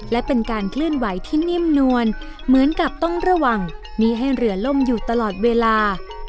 และเป็นการเคลื่อนไหวที่นิ่มนวลเหมือนกับต้องระวังมีให้เรือล่มอยู่ตลอดเวลา